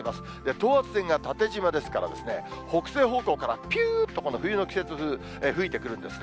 等圧線が縦じまですからですね、北西方向からぴゅーっと冬の季節風、吹いてくるんですね。